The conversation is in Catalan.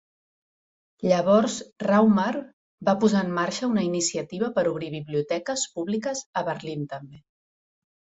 Llavors Raumer va posar en marxa una iniciativa per obrir biblioteques públiques a Berlín també.